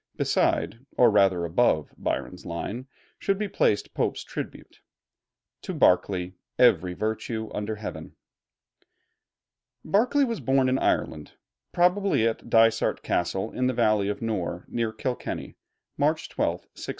Beside, or rather above, Byron's line should be placed Pope's tribute: "To Berkeley, every virtue under Heaven." [Illustration: GEORGE BERKELEY.] Berkeley was born in Ireland, probably at Dysart Castle in the Valley of the Nore, near Kilkenny, March 12, 1685.